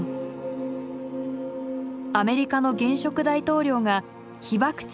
アメリカの現職大統領が被爆地